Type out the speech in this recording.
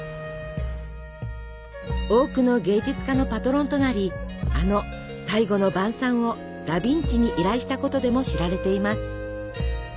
多くの芸術家のパトロンとなりあの「最後の晩餐」をダ・ヴィンチに依頼したことでも知られています。